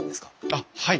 あっはい。